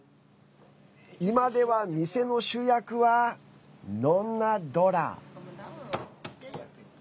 今では店の主役はノンナ・ドラ。